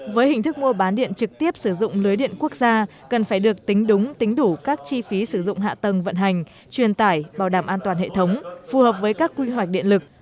với hình thức mua bán điện trực tiếp sử dụng lưới điện quốc gia cần phải được tính đúng tính đủ các chi phí sử dụng hạ tầng vận hành truyền tải bảo đảm an toàn hệ thống phù hợp với các quy hoạch điện lực